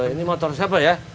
ini motor siapa ya